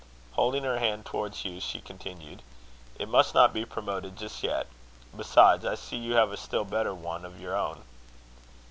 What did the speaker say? Holding her hand towards Hugh, she continued: "It must not be promoted just yet. Besides, I see you have a still better one of your own."